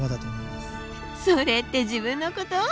それって自分のこと？